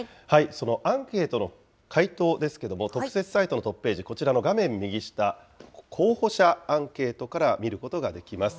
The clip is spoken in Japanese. そのアンケートの回答ですけども、特設サイトのトップページ、こちらの画面右下、候補者アンケートから見ることができます。